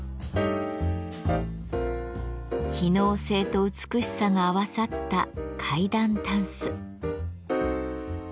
機能性と美しさが合わさった階段たんす。